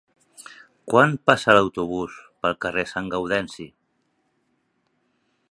Quan passa l'autobús pel carrer Sant Gaudenci?